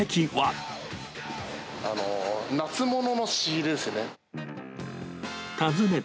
夏物の仕入れですね。